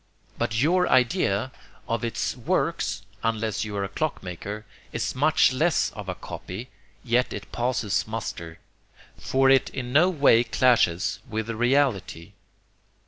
But your idea of its 'works' (unless you are a clock maker) is much less of a copy, yet it passes muster, for it in no way clashes with the reality.